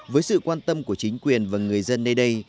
với sự quan tâm của chính quyền và người dân nơi đây